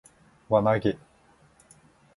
輪投げ